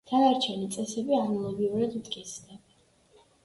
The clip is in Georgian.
დანარჩენი წესები ანალოგიურად მტკიცდება.